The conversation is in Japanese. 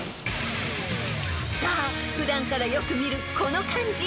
［さあ普段からよく見るこの漢字］